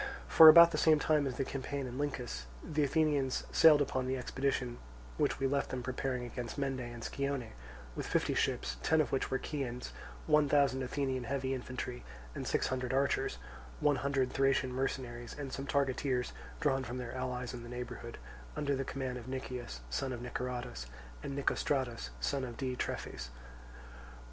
For about the same time as the campaign in Lyncus, the Athenians sailed upon the expedition which we left them preparing against Mende and Scione, with fifty ships, ten of which were Chians, one thousand Athenian heavy infantry and six hundred archers, one hundred Thracian mercenaries and some targeteers drawn from their allies in the neighbourhood, under the command of Nicias, son of Niceratus, and Nicostratus, son of Diitrephes.